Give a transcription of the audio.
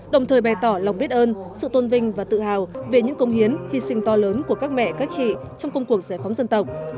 đồng thời bày tỏ lòng biết ơn sự tôn vinh và tự hào về những công hiến hy sinh to lớn của các mẹ các chị trong công cuộc giải phóng dân tộc